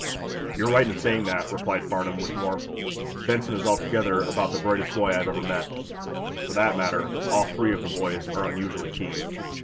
"You're right in saying that," replied Farnum, with warmth. "Benson is altogether about the brightest boy I've ever met. For that matter, all three of the boys are unusually keen."